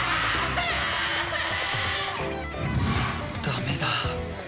ダメだ